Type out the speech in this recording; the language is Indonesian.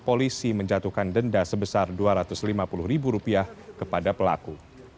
polisi menjatuhkan denda sebesar dua ratus lima puluh ribu rupiah kepada pelaku